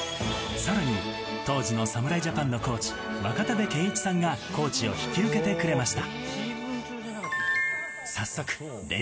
さらに、当時の侍ジャパンのコーチ、若田部健一さんがコーチを引き受けてくれました。